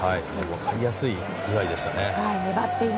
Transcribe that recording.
分かりやすいくらいでしたね。